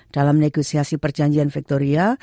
dalam negosiasi perjanjian victoria